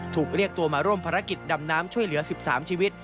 ถูกเรียกตัวมาร่วมภารกิจดำน้ำช่วยเหลือ๑๓ชีวิต